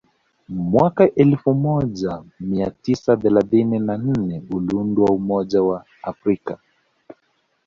Mwaka elfu moja mia tisa thelathini na nne uliundwa umoja wa Waafrika